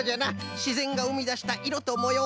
しぜんがうみだしたいろともよう。